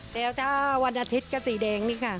แล้วถ้าวันอาทิตย์ก็สีแดงนี่ค่ะ